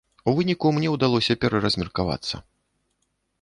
У выніку мне ўдалося пераразмеркавацца.